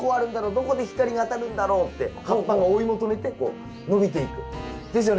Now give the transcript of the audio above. どこで光が当たるんだろうって葉っぱが追い求めてこう伸びていく。ですよね？